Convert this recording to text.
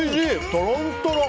とろんとろん。